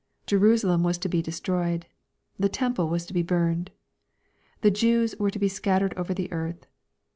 Jerusalem was to be de stroyed. The temple was to be burned. The Jews were to be scattered over the earth.